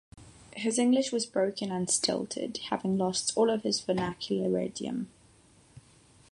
His English was broken and stilted, having lost all his vernacular idiom.